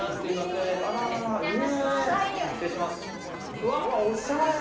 うわおしゃれ。